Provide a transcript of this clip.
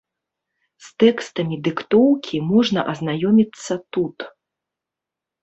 З тэкстамі дыктоўкі можна азнаёміцца тут.